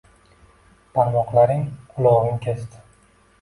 Barmoqlarin, qulog‘in kesdi.